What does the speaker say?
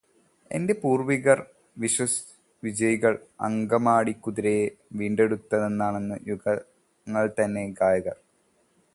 എന്റെ പൂർവികർ വിശ്വവിജയികൾ അങ്കമാടിക്കുതിരയെ വീണ്ടെടുത്തന്നണഞ്ഞു യുഗങ്ങൾതൻ ഗായകർ